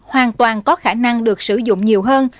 hoàn toàn có khả năng được sử dụng nhiều hơn